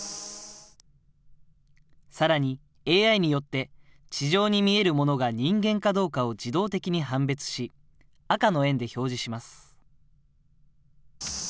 さらにＡＩによって、地上に見えるものが人間かどうかを自動的に判別し、赤の円で表示します。